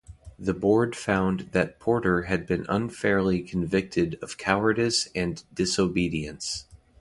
The board found that Porter had been unfairly convicted of cowardice and disobedience.